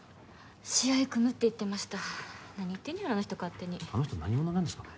試合組むって言ってました何言ってんねやろあの人勝手にあの人何者なんですかね